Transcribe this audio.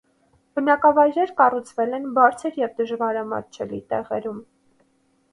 Բնակավայրերը կառուցվել են բարձր և դժվարամատչելի տեղերում։